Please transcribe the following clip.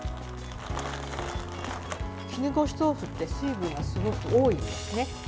絹ごし豆腐って水分がすごく多いんですね。